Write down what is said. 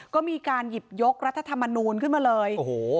ก็มีการหยิบยกรัฐธรรมนูลขึ้นมาเลย